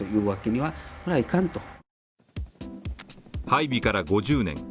配備から５０年。